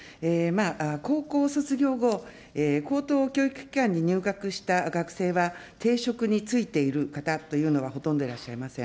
高校卒業後、高等教育機関に入学した学生は、定職に就いている方というのはほとんどいらっしゃいません。